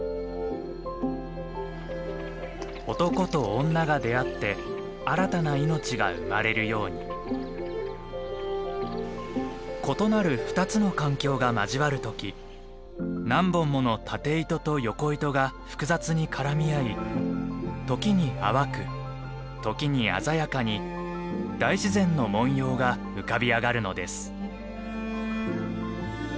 男と女が出会って新たな命が生まれるように異なる２つの環境が交わる時何本もの縦糸と横糸が複雑に絡み合い時に淡く時に鮮やかに大自然の紋様が浮かび上がるのです。